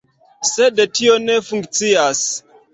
Sed tio ne funkcias.